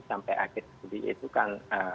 sampai akhir juli itu kan